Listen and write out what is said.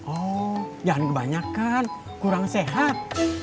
oh jangan kebanyakan kurang sehat